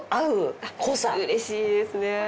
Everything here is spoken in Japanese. うれしいですね。